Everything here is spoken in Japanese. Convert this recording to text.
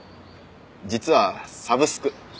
実はサブスク。